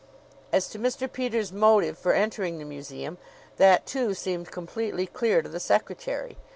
As to Mr. Peters' motive for entering the museum, that, too, seemed completely clear to the secretary.